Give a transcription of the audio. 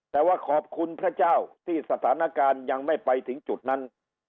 แต่ว่าขอบคุณพระเจ้าที่สถานการณ์ยังไม่ไปถึงจุดนั้น